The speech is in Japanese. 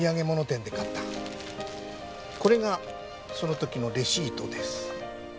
これがその時のレシートです。